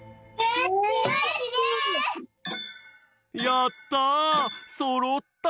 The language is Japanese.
やった！